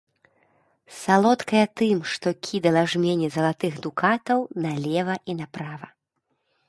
Салодкая тым, што кідала жмені залатых дукатаў налева і направа.